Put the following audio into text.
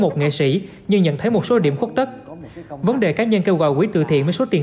một nghệ sĩ nhưng nhận thấy một số điểm khuất tất vấn đề cá nhân kêu gọi quỹ từ thiện với số tiền